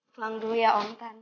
pulang dulu ya om tani